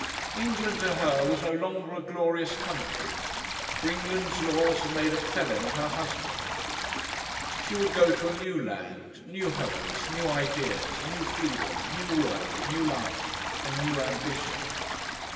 England to her was no longer a glorious country; for England's laws had made a felon of her husband. She would go to a new land, new hopes, new ideas, new freedom, new work, new life, and new ambition.